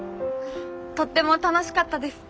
とっても楽しかったです。